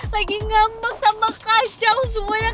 lagi ngamuk sama kacau semuanya